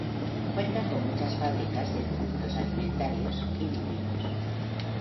Cuenta con muchas fábricas de productos alimentarios y molinos.